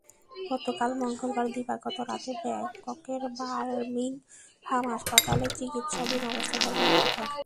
গতকাল মঙ্গলবার দিবাগত রাতে ব্যাংককের বার্মিংহাম হাসপাতালে চিকিৎসাধীন অবস্থায় তাঁর মৃত্যু হয়।